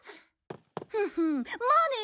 フフンまあね！